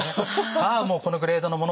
さあもうこのグレードのもの